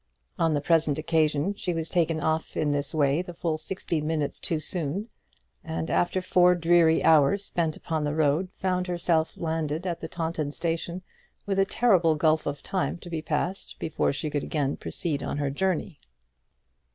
On the present occasion she was taken off in this way the full sixty minutes too soon, and after four dreary hours spent upon the road, found herself landed at the Taunton station, with a terrible gulf of time to be passed before she could again proceed on her journey.